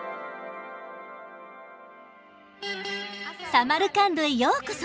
サマルカンドへようこそ。